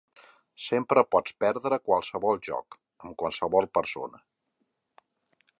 Sempre pots perdre qualsevol joc, amb qualsevol persona.